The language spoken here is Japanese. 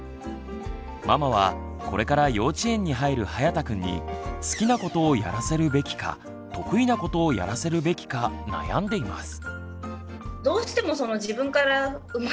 ママはこれから幼稚園に入るはやたくんに好きなことをやらせるべきか得意なことをやらせるべきか悩んでいます。